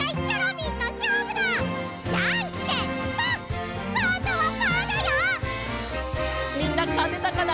みんなかてたかな？